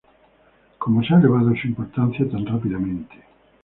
Cómo se ha elevado su importancia tan rápidamente.